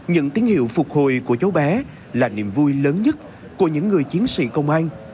những tín hiệu phục hồi của cháu bé là niềm vui lớn nhất của những người chiến sĩ công an